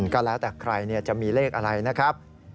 ก็แล้วแต่ใครจะมีเลขอะไรนะครับ